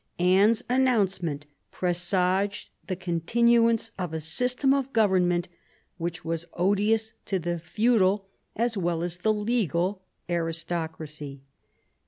Anne's announcement presaged the con tinuance of a system of government which was odious to the feudal as well as to the legal aristocracy.